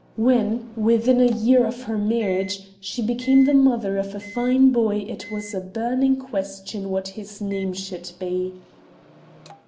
When, within a year of her marriage, she became the mother of a fine boy it was a burning question what his name should be.